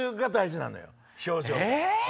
え⁉